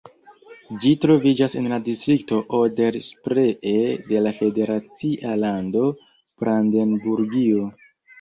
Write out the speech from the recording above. Ĝi troviĝas en la distrikto Oder-Spree de la federacia lando Brandenburgio.